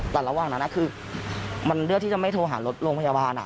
แต่ระหว่างนั้นคือมันเลือกที่จะไม่โทรหารถโรงพยาบาล